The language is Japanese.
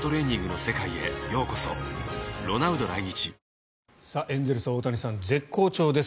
損保ジャパンエンゼルス、大谷さん絶好調です。